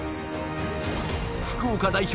福岡代表